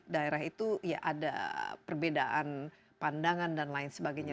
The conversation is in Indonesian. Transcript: daerah itu ya ada perbedaan pandangan dan lain sebagainya